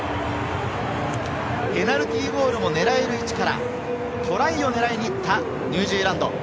ペナルティーゴールを狙える位置から、トライを狙いに行ったニュージーランド。